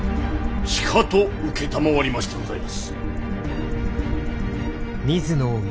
しかと承りましてございます。